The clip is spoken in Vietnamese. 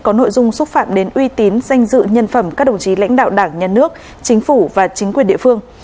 có nội dung xúc phạm đến uy tín danh dự nhân phẩm các đồng chí lãnh đạo đảng nhà nước chính phủ và chính quyền địa phương